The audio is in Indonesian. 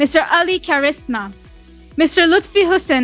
pak ali karisma pak lutfi husin